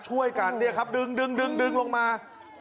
ช่วยกันดึงลงมา